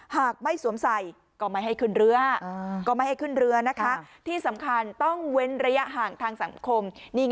หากไม่สวมใส่ก็ไม่ให้ขึ้นเรือที่สำคัญต้องเว้นระยะห่างทางสังคม